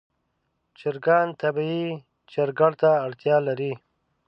چرګان طبیعي چرګړ ته اړتیا لري.